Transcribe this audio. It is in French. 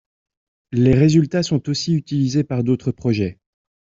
Les résultats sont aussi utilisés par d'autres projets.